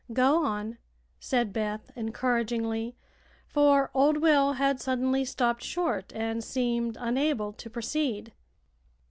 "Go on," said Beth, encouragingly, for old Will had suddenly stopped short and seemed unable to proceed.